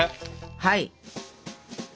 はい！